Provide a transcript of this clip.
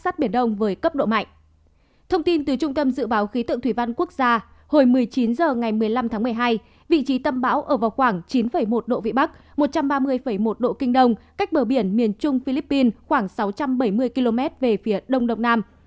thông tin từ trung tâm dự báo khí tượng thủy văn quốc gia hồi một mươi chín h ngày một mươi năm tháng một mươi hai vị trí tâm bão ở vào khoảng chín một độ vĩ bắc một trăm ba mươi một độ kinh đông cách bờ biển miền trung philippines khoảng sáu trăm bảy mươi km về phía đông đông nam